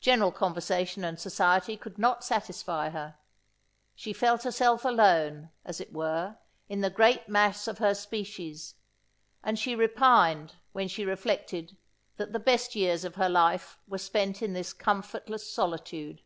General conversation and society could not satisfy her. She felt herself alone, as it were, in the great mass of her species; and she repined when she reflected, that the best years of her life were spent in this comfortless solitude.